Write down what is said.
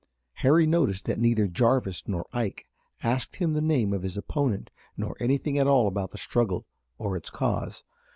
Harry noticed that neither Jarvis nor Ike asked him the name of his opponent nor anything at all about the struggle or its cause.